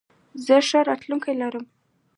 زه ښه راتلونکې لرم.